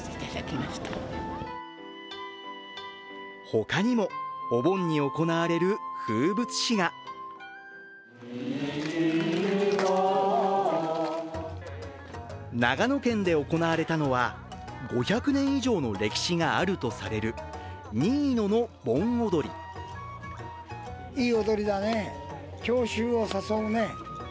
他にもお盆に行われる風物詩が長野県で行われたのは５００年以上の歴史があるとされる新野の盆踊り。